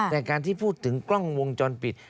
แต่การที่พูดถึงกล้องวงจรปิด